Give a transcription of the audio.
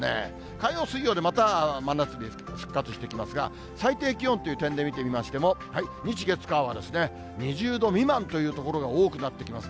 火曜、水曜でまた真夏日復活してきますが、最低気温という点で見てみましても、日、月、火は２０度未満という所が多くなってきます。